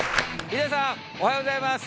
ヒデさん、おはようございます。